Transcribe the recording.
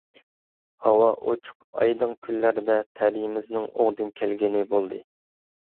ھاۋا ئۇچۇق ئايدىڭ كۈنلەردە تەلىيىمىزنىڭ ئوڭدىن كەلگىنى بولدى.